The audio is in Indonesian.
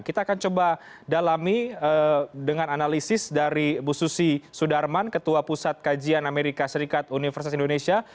kita akan coba dalami dengan analisis dari bu susi sudarman ketua pusat kajian amerika serikat universitas indonesia